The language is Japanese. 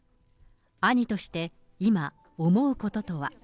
兄として今、思うこととは。